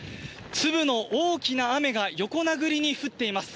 粒の大きな雨が横殴りに降っています。